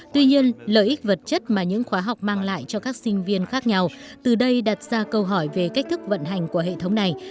tuy nhiên lợi ích vật chất mà những khóa học mang lại cho các sinh viên khác nhau từ đây đặt ra câu hỏi về cách thức vận hành của hệ thống này